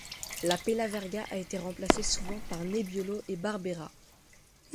La pelaverga a été remplacée souvent par nebbiolo et barbera.